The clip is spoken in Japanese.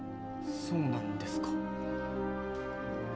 そうなんですか。